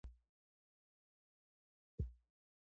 او اوسنی یې د تېر په څېر ندی